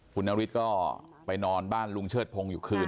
คุณนฤทธิ์ก็ไปนอนบ้านลุงเชิดพงศ์อยู่คืน